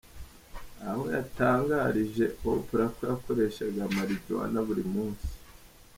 Aho yatangarije Oprah ko yakoreshaga marijuana buri munsi.